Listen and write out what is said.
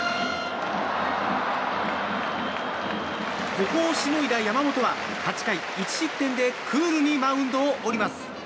ここをしのいだ山本は８回１失点でクールにマウンドを降ります。